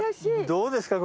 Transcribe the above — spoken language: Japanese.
どうですか？